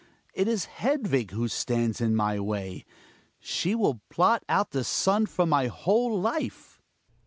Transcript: It is Hed vig who stands in my way. She will blot out the sun from my whole life.